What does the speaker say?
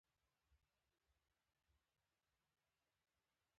جانداد د نرمې تندې سړی دی.